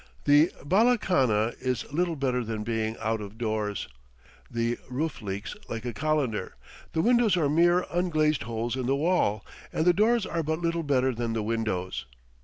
The balakhana is little better than being out of doors; the roof leaks like a colander, the windows are mere unglazed holes in the wall, and the doors are but little better than the windows.